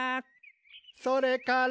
「それから」